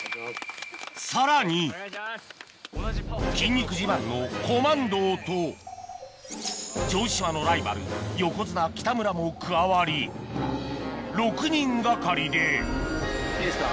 さらに筋肉自慢の城島のライバル横綱北村も加わり６人がかりでいいですか？